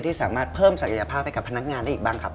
สามารถเพิ่มศักยภาพให้กับพนักงานได้อีกบ้างครับ